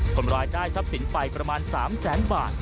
คนร้ายได้ทรัพย์สินไปประมาณ๓แสนบาท